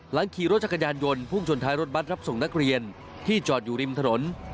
ขี่รถจักรยานยนต์พุ่งชนท้ายรถบัตรรับส่งนักเรียนที่จอดอยู่ริมถนน